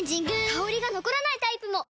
香りが残らないタイプも！